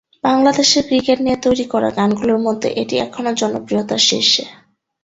বাংলাদেশের ক্রিকেট নিয়ে তৈরি করা গানগুলোর মধ্যে এটি এখনও জনপ্রিয়তার শীর্ষে।